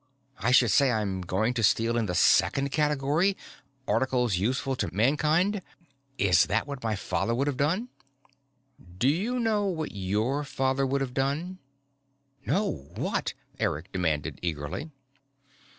I should say I'm going to steal in the second category Articles Useful to Mankind. Is that what my father would have done?" "Do you know what your father would have done?" "No. What?" Eric demanded eagerly.